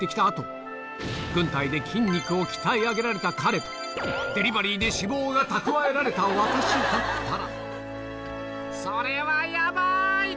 「軍隊で筋肉を鍛え上げられた彼とデリバリーで脂肪が蓄えられた私だったら」